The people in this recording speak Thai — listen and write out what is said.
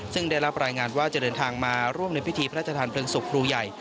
ซึ่งได้รับรายงานว่าจะเดินทางมาร่วมในพิธีพระราชทานเพลิงศพครูใหญ่